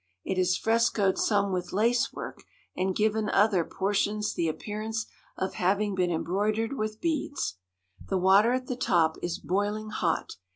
It has frescoed some with lacework, and given other portions the appearance of having been embroidered with beads. The water at the top is boiling hot.